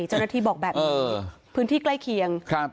เจ้าหน้าที่บอกแบบนี้พื้นที่ใกล้เคียง